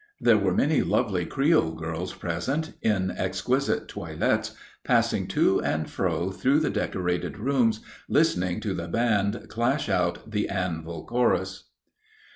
There were many lovely creole girls present, in exquisite toilets, passing to and fro through the decorated rooms, listening to the band clash out the Anvil Chorus.